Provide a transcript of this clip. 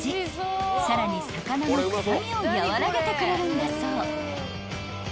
［さらに魚の臭みを和らげてくれるんだそう］